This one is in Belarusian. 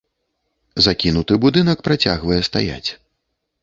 Закінуты будынак працягвае стаяць.